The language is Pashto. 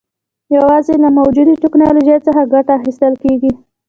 یوازې له موجوده ټکنالوژۍ څخه ګټه اخیستل کېږي.